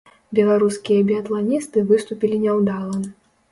Беларускія біятланісты выступілі няўдала.